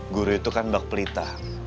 guru itu kan bak pelita